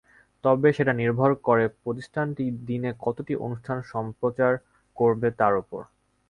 তবে সেটা নির্ভর করে প্রতিষ্ঠানটি দিনে কতটি অনুষ্ঠান সম্প্রচার করবে, তার ওপর।